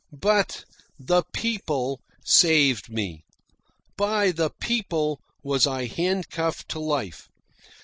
But the PEOPLE saved me. By the PEOPLE was I handcuffed to life.